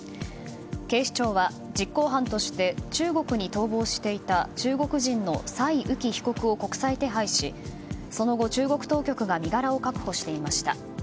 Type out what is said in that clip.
警視庁は実行犯として中国に逃亡していた中国人のサイ・ウキ被告を国際手配しその後、中国当局が身柄を確保していました。